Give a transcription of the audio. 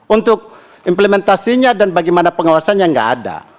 untuk implementasinya dan bagaimana pengawasannya nggak ada